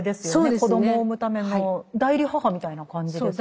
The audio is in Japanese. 子供を産むための代理母みたいな感じですし。